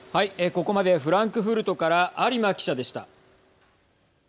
ここまでフランクフルトから有馬記者でした。